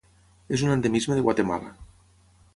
És un endemisme de Guatemala.